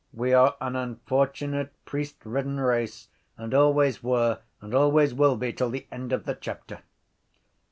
We are an unfortunate priestridden race and always were and always will be till the end of the chapter.